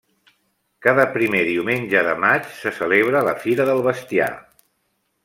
Cada primer diumenge de maig se celebra la fira del bestiar.